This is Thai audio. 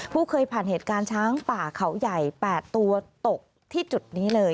เคยผ่านเหตุการณ์ช้างป่าเขาใหญ่๘ตัวตกที่จุดนี้เลย